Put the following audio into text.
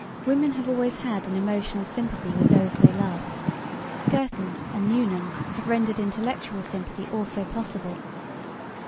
Women have always had an emotional sympathy with those they love; Girton and Newnham have rendered intellectual sympathy also possible.